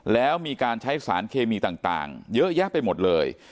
แล้วมีการใช้สารเคมีต่างเยอะแยะไปหมดเลย